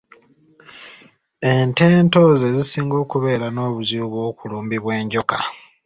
Ente ento ze zisinga okubeera n’obuzibu bw’okulumbibwa enjoka.